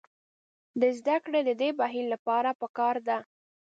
د زدکړې د دې بهیر لپاره پکار ده.